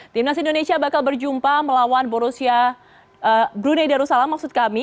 timnas indonesia bakal berjumpa melawan brunei darussalam maksud kami